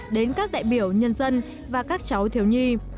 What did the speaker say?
đến các đại biểu nhân dân và các cháu thiếu nhi